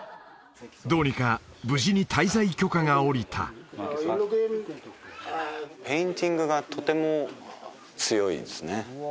どうにか無事に滞在許可が下りたペインティングがとても強いですね